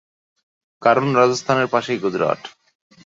কারণ রাজস্থানের পাশেই গুজরাট।